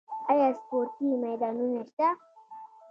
آیا سپورتي میدانونه شته؟